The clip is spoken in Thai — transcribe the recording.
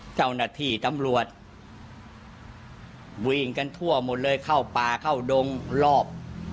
เจ้าหน้าที่ตำรวจวิ่งกันทั่วหมดเลยเข้าป่าเข้าดงรอบ